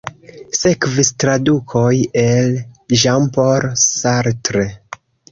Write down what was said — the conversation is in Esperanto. Sekvis tradukoj el Jean-Paul Sartre.